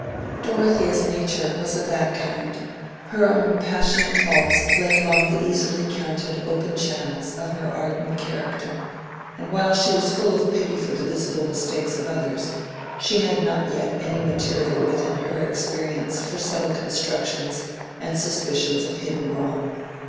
Dorothea's nature was of that kind: her own passionate faults lay along the easily counted open channels of her ardent character; and while she was full of pity for the visible mistakes of others, she had not yet any material within her experience for subtle constructions and suspicions of hidden wrong.